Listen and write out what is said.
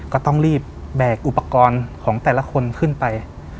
ก็ต้องรีบแบกอุปกรณ์ของแต่ละคนขึ้นไป